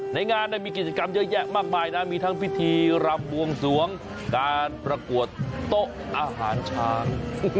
ในงานมีกิจกรรมเยอะแยะมากมายนะมีทั้งพิธีรำบวงสวงการประกวดโต๊ะอาหารช้าง